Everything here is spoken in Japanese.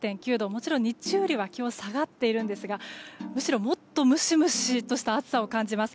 もちろん、日中よりは気温は下がっていますがむしろ、もっとムシムシとした暑さを感じます。